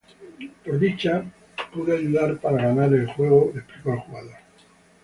Por dicha pude ayudar para ganar el juego", explicó el jugador.